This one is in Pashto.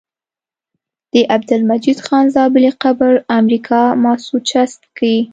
د عبدالمجيد خان زابلي قبر امريکا ماسوچست کي